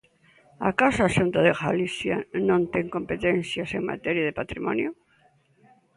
¿Acaso a Xunta de Galicia non ten competencias en materia de patrimonio?